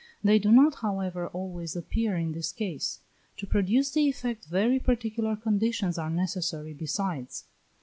They do not, however, always appear in this case; to produce the effect very particular conditions are necessary besides.